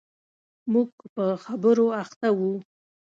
موږ په خبرو اخته و.